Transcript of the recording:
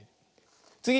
つぎ！